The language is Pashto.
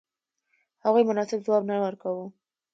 هغوی مناسب ځواب نه ورکاوه.